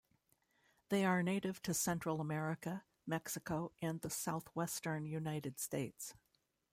They are native to Central America, Mexico, and the southwestern United States.